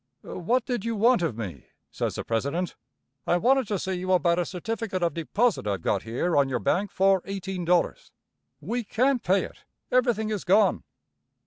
"What did you want of me?" says the president "I wanted to see you about a certificate of deposit I've got here on your bank for eighteen dollars." "We can't pay it. Everything is gone."